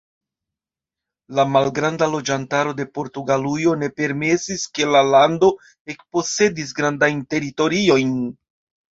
La malgranda loĝantaro de Portugalujo ne permesis, ke la lando ekposedis grandajn teritoriojn.